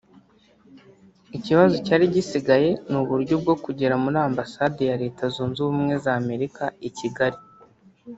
Ikibazo cyari gisigaye n’uburyo bwo kugera muri ambasade ya Leta Zunze Ubumwe z’Amerika i Kigali